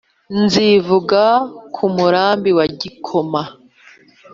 zivuga ku murambi wa gikoma